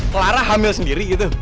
clara hamil sendiri gitu